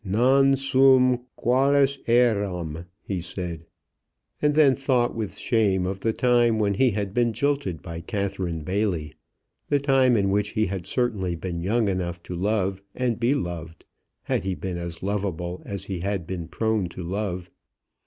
"Non sum qualis eram," he said, and then thought with shame of the time when he had been jilted by Catherine Bailey, the time in which he had certainly been young enough to love and be loved, had he been as lovable as he had been prone to love.